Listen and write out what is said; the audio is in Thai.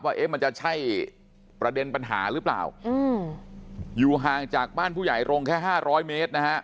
เอ๊ะมันจะใช่ประเด็นปัญหาหรือเปล่าอยู่ห่างจากบ้านผู้ใหญ่โรงแค่๕๐๐เมตรนะฮะ